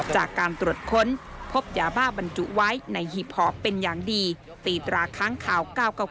จากการตรวจค้นพบยาบ้าบรรจุไว้ในหีบหอบเป็นอย่างดีตีตราค้างข่าว๙๙๙